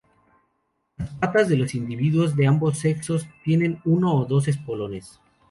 Las patas de los individuos de ambos sexos tienen uno o dos espolones.